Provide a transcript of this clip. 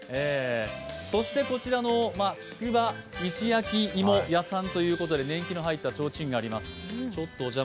そして、つくば石焼き芋屋さんということで、年季の入った提灯があります。